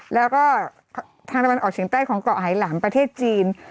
แล้วก็ทางตะวันออกเฉียงใต้ของเกาะไหลำประเทศจีน